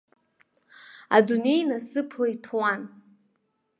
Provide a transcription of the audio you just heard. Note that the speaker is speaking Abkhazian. Адунеи насыԥла иҭәуан.